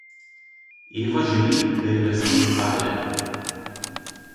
Eva želi, da ji lase izpadejo.